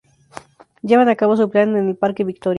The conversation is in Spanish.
Llevan a cabo su plan en el parque Victoria.